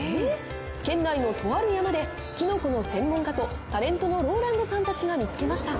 県内のとある山できのこの専門家とタレントのＲＯＬＡＮＤさんたちが見つけました。